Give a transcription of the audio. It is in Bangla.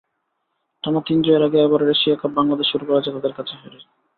টানা তিন জয়ের আগে এবারের এশিয়া কাপ বাংলাদেশ শুরু করেছে তাদের কাছে হেরেই।